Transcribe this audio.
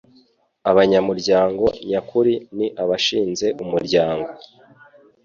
abanyamuryango nyakuri ni abashinze umuryango